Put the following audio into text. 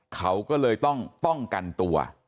เขาก็เลยต้องป้องกันตัว